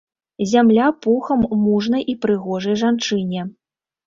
Зямля пухам мужнай і прыгожай жанчыне!